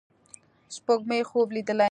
سپوږمۍ خوب لیدې